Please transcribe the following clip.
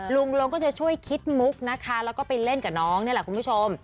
ลงก็จะช่วยคิดมุกนะคะแล้วก็ไปเล่นกับน้องนี่แหละคุณผู้ชม